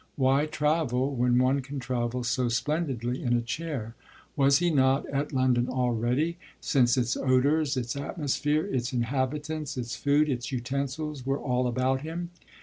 'Why travel, when one can travel so splendidly in a chair? Was he not at London already, since its odours, its atmosphere, its inhabitants, its food, its utensils, were all about him?'